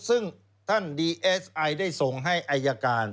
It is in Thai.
ซึ่งท่านดีเอสไอได้ส่งให้อายการ